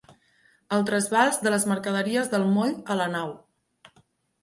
El trasbals de les mercaderies del moll a la nau.